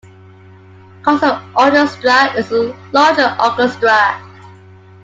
Concert Orchestra is the larger orchestra.